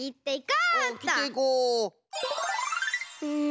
うん。